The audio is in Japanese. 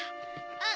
あっ。